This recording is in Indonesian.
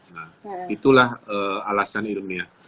nah itulah alasan ilmiah